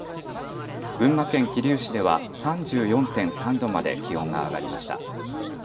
群馬県桐生市では３４．３度まで気温が上がりました。